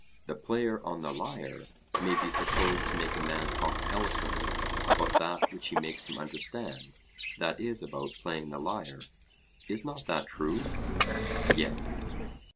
The player on the lyre may be supposed to make a man talk eloquently about that which he makes him understand, that is about playing the lyre. Is not that true? Yes.